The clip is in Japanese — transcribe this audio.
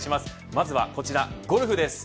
まずはこちら、ゴルフです。